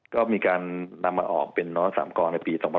ก็มีการนำมาออกเป็นนสกในปี๒๕๗